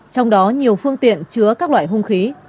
trong đó nhiều phương tiện chứa các loại hung khí